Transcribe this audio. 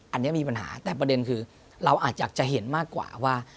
อันนี้มีปัญหาแต่ประเด็นคือเราอาจจะเห็นมากกว่าว่า